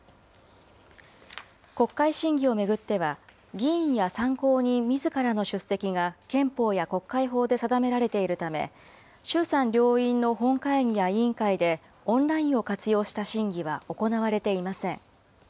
国会審議を巡っては、議員や参考人みずからの出席が憲法や国会法で定められているため、衆参両院の本会議や委員会で、オンラインを活用した審議は行われていません。